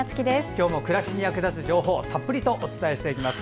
今日も暮らしに役立つ情報たっぷりとお伝えしていきます。